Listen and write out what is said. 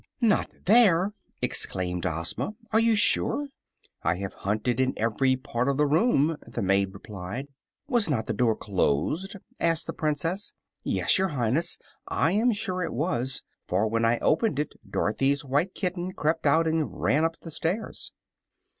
"Not there!" exclaimed Ozma. "Are you sure?" "I have hunted in every part of the room," the maid replied. "Was not the door closed?" asked the Princess. "Yes, your Highness; I am sure it was; for when I opened it Dorothy's white kitten crept out and ran up the stairs."